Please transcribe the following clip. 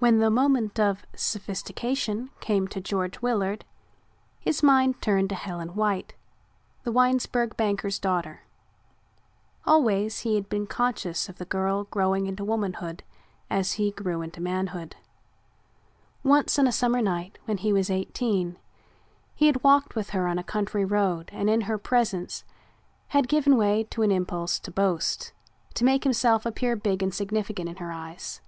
When the moment of sophistication came to George Willard his mind turned to Helen White, the Winesburg banker's daughter. Always he had been conscious of the girl growing into womanhood as he grew into manhood. Once on a summer night when he was eighteen, he had walked with her on a country road and in her presence had given way to an impulse to boast, to make himself appear big and significant in her eyes.